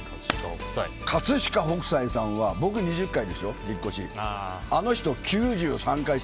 葛飾北斎さんは僕、２０回でしょ、引っ越し。